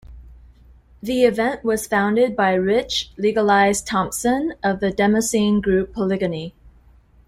The event was founded by Rich "Legalize" Thompson of the demoscene group Polygony.